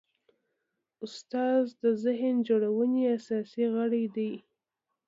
استاد د ذهن جوړونې اساسي غړی دی.